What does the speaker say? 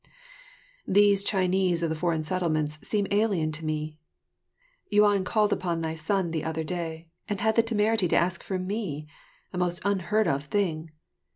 These Chinese of the foreign settlements seem alien to me. Yuan called upon thy son the other day, and had the temerity to ask for me a most unheard of thing.